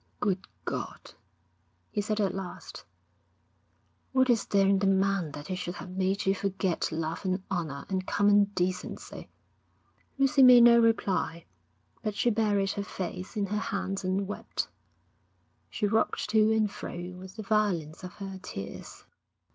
'Good God,' he said at last, 'what is there in the man that he should have made you forget love and honour and common decency!' Lucy made no reply. But she buried her face in her hands and wept. She rocked to and fro with the violence of her tears.